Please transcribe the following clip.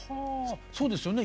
そうですよね。